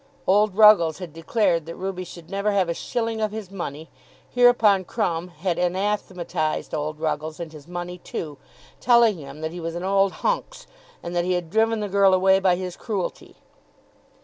Old Ruggles had declared that Ruby should never have a shilling of his money; whereupon Crumb had anathematised old Ruggles and his money too, telling him that he was an old hunx, and that he had driven the girl away by his cruelty.